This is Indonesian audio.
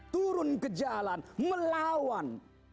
turun ke jalan melawan